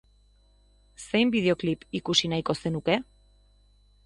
Zein bideoklip ikusi nahiko zenuke?